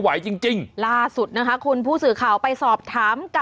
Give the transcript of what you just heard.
เบิร์ตลมเสียโอ้โห